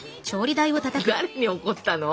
誰に怒ったの？